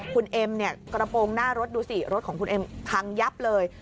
คุณเอ็มเนี่ยกระโปรงหน้ารถดูสิรถของคุณเอ็มพังยับเลย